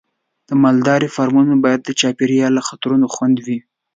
د مالدارۍ فارمونه باید د چاپېریال له خطرونو خوندي وي.